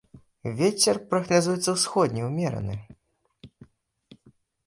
Вецер прагназуецца ўсходні ўмераны.